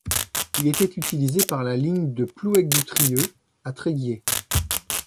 Il était utilisé par la ligne de Plouëc-du-Trieux à Tréguier.